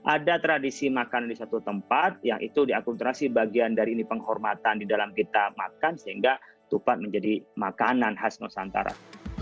ada tradisi makanan di satu tempat yang itu diakultrasi bagian dari ini penghormatan di dalam kita makan sehingga tupat menjadi makanan khas nusantara